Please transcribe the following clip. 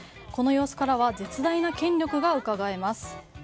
この様子からは絶大な権力がうかがえます。